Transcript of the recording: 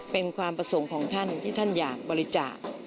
เป็นความประสงค์ของท่านที่ท่านอยากบริจาค